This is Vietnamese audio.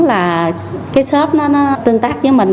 là cái shop nó tương tác với mình